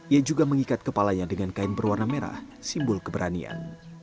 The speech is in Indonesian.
ia juga mengikat kepalanya dengan kain berwarna merah simbol keberanian